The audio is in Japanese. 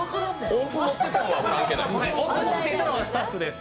音符持っていたのはスタッフです。